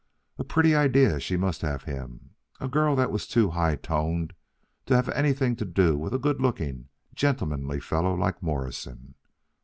A pretty idea she must have of him, a girl that was too high toned to have anything to do with a good looking, gentlemanly fellow like Morrison.